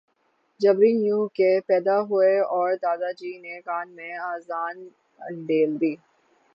جبری یوں کہ ، پیدا ہوئے اور دادا جی نے کان میں اذان انڈیل دی